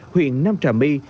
huyện nam trà my